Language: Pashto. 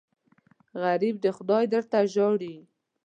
غریب د خدای در ته ژاړي